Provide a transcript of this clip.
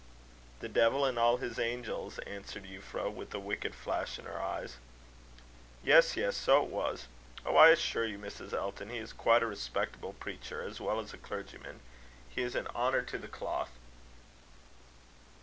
"The devil and all his angels," answered Euphra, with a wicked flash in her eyes. "Yes, yes; so it was. Oh! I assure you, Mrs. Elton, he is quite a respectable preacher, as well as clergyman. He is an honour to the cloth."